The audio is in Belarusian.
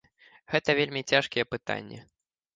Гэта вельмі цяжкія пытанні.